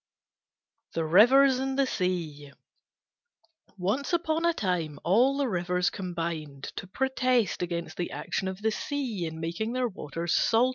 THE RIVERS AND THE SEA Once upon a time all the Rivers combined to protest against the action of the Sea in making their waters salt.